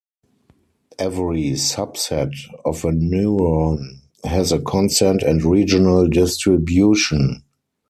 Every subset of a neuron has a constant and regional distribution.